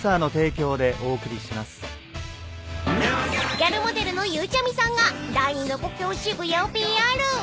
［ギャルモデルのゆうちゃみさんが第２の故郷渋谷をＰＲ］